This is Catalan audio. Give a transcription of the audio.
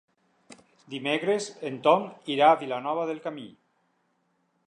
Dimecres en Tom irà a Vilanova del Camí.